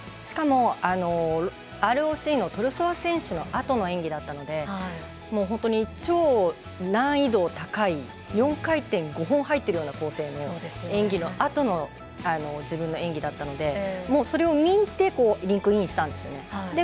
しかもＲＯＣのトゥルソワ選手のあとの演技だったので本当に超難易度高い４回転５本入っているような構成の演技のあとの自分の演技だったのでそれを見てリンクインしたんですよね。